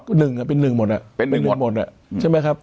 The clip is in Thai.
ก็หนึ่งอะเป็นหนึ่งหมดอะใช่ไหมครับ